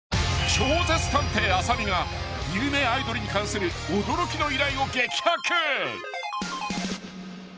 ［超絶探偵浅見が有名アイドルに関する驚きの依頼を激白］